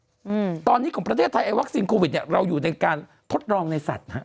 อืมตอนนี้ของประเทศไทยไอวัคซีนโควิดเนี้ยเราอยู่ในการทดลองในสัตว์ฮะ